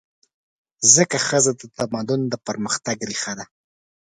ځکه ښځه د تمدن د پرمختګ ریښه ده.